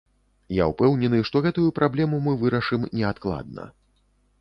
Я ўпэўнены, што гэтую праблему мы вырашым неадкладна.